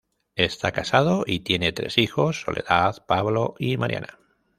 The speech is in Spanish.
Está casado y tiene tres hijos: Soledad, Pablo y Mariana.